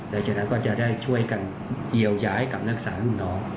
และจนั้นก็จะได้ช่วยกันเยียวย้ายกับนักศึกษาลูกน้อง